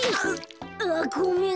あっごめん。